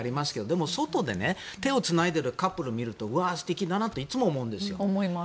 でも外で手をつないでいるカップル見るとうわあ、素敵だなっていつも思うんですよ。